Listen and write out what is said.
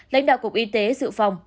lãnh đạo cục y tế dự phòng